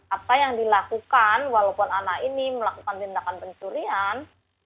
apa yang dilakukan walaupun anak ini melakukan tindakan pencurian